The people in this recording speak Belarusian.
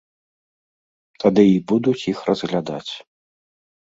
Тады і будуць іх разглядаць.